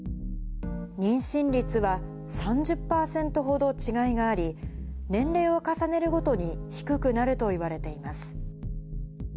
妊娠率は３０％ほど違いがあり、年齢を重ねるごとに低くなるといわれています。